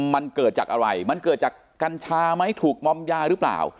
มันเกิดจากอะไรมันเกิดจากกัญชาไหมถูกมอมยาหรือเปล่า